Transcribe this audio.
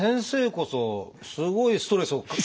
先生こそすごいストレスを。